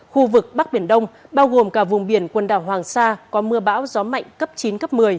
khu vực bắc biển đông bao gồm cả vùng biển quần đảo hoàng sa có mưa bão gió mạnh cấp chín cấp một mươi